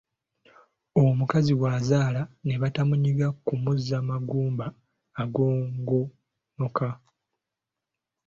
Omukazi bw’azaala ne batamunyiga kumuzza magumba agogonoka.